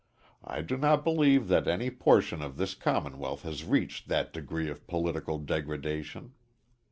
I do not believe that any portion of this Commonwealth has reached that degree of political degradation.